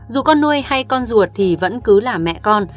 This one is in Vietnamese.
dù con nuôi hay con ruột thì vẫn cứ là mẹ con